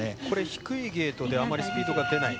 低いゲートであまりスピードが出ない。